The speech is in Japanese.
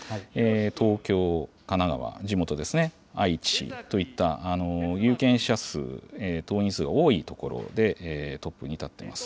東京、神奈川、地元ですね、愛知といった、有権者数、党員数が多い所で、トップに立っています。